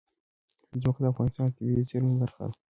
ځمکه د افغانستان د طبیعي زیرمو برخه ده.